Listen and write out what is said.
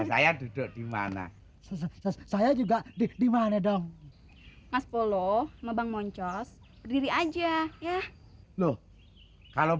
saya duduk dimana saya juga di mana dong mas polo nebang moncos berdiri aja ya loh kalau